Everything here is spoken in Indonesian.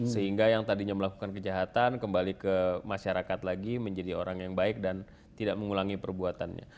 sehingga yang tadinya melakukan kejahatan kembali ke masyarakat lagi menjadi orang yang baik dan tidak mengulangi perbuatannya